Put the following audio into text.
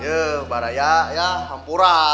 ya baraya ya hampura